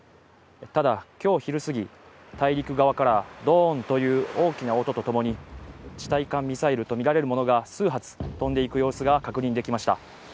ただ、今日昼すぎ、大陸側からドーンという大きな音とともに地対艦ミサイルとみられるものが数発飛んでいく様子が確認できました。